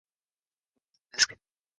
He has seventeen rock samples on his desk.